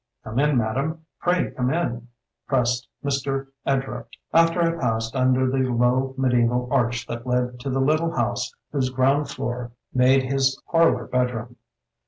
"Come in, madam, pray come in," pressed Mr. Edrupt after I passed under the low mediseval arch that led to the little house whose ground floor made his parlor bedroom.